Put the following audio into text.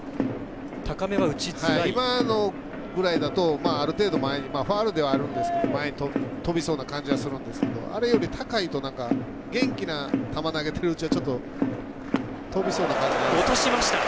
今ぐらいだと、ある程度前にファウルではあるんですけど前に飛びそうな感じがするんですけどあれより高いと元気な球投げているうちはちょっと飛びそうな感じがあります。